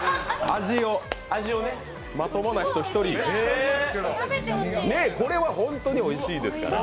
味を、まともな人一人これはホントにおいしいですから。